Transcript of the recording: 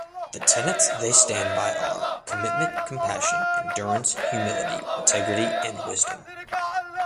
The tenets they stand by are: Commitment, Compassion, Endurance, Humility, Integrity and Wisdom.